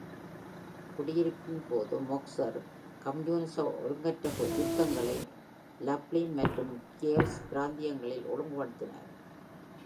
குடியிருப்பின் போது, மொக்ஸர் கம்யூனிச ஒழுங்கற்ற யுத்தங்களை லப்ளின் மற்றும் கியேல்ஸ் பிராந்தியங்களில் ஒழுங்குப்படுத்தினார்.